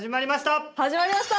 始まりました！